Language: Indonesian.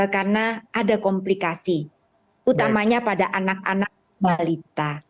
karena ada komplikasi utamanya pada anak anak malita